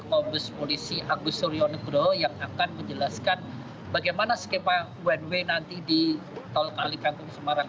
kombes polisi agus suryo nugro yang akan menjelaskan bagaimana skema one way nanti di tol kalikangkung semarang